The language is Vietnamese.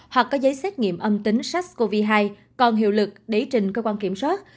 hoặc có giấy xét nghiệm âm tính sars cov hai còn hiệu lực để trình cơ quan kiểm soát